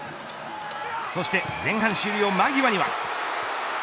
そして前半終了間際には。